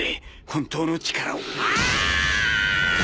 本当の力を」